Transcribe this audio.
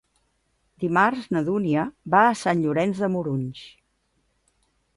Dimarts na Dúnia va a Sant Llorenç de Morunys.